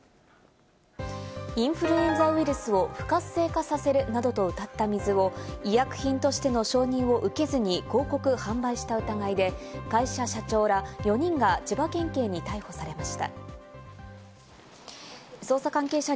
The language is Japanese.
インフルエンザウイルスを不活性化させるなどとうたった水を医薬品としての承認を受けずに広告・販売した疑いで、会社社長ら４人が千葉県警に逮捕されました。